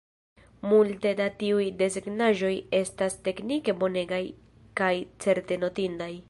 Multe da tiuj desegnaĵoj estas teknike bonegaj kaj certe notindaj.